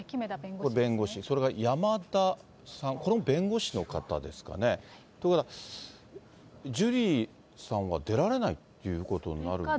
これ、弁護士、それから山田さん、これも弁護士の方ですかね。ということは、ジュリーさんは出られないということになるんですか。